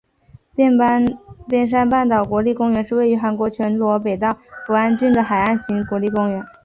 边山半岛国立公园是位于韩国全罗北道扶安郡的海岸型国立公园。